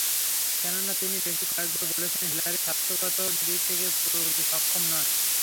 কেননা তিনি বেশ কয়েকবার বলেছেন, হিলারি স্বাস্থ্যগত দিক দিয়ে পুরোপুরি সক্ষম নন।